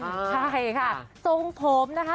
ใช่ค่ะทรงผมนะคะ